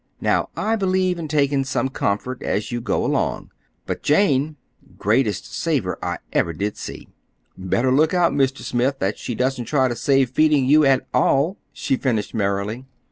Now, I believe in taking some comfort as you go along. But Jane—greatest saver I ever did see. Better look out, Mr. Smith, that she doesn't try to save feeding you at all!" she finished merrily.